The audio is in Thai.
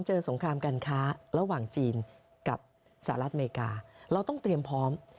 สงครามการค้าระหว่างจีนกับสหรัฐอเมริกาเราต้องเตรียมพร้อม